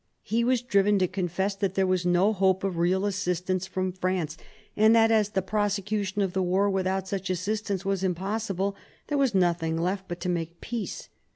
He was driven to confess that there was no hope of real assistance from France, and that as the prosecution of the war without such assistance was impossible, there was nothing left but to make peace.